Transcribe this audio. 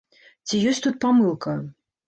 Ці ёсць тут памылка?